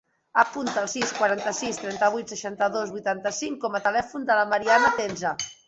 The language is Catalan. Apunta el sis, quaranta-sis, trenta-vuit, seixanta-dos, vuitanta-cinc com a telèfon de la Mariana Tenza.